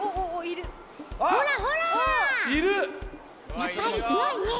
やっぱりすごいね。